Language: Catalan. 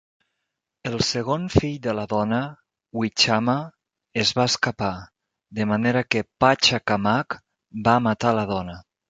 El segon fill de la dona, Wichama, es va escapar, de manera que Pacha Kamaq va matar la dona.